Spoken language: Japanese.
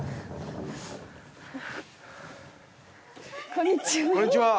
こんにちは。